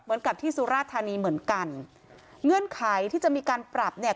เหมือนกับที่สุราธานีเหมือนกันเงื่อนไขที่จะมีการปรับเนี่ย